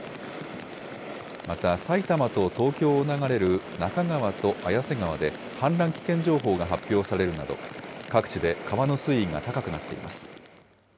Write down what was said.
また埼玉と東京を流れる中川と綾瀬川で氾濫危険情報が発表されるなど、各地で川の水位が高くなっています。